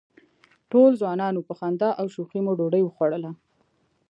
ټول ځوانان وو، په خندا او شوخۍ مو ډوډۍ وخوړله.